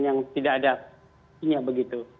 yang tidak ada sinyal begitu